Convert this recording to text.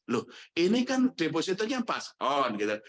loh ini kan depositonya pas on gitu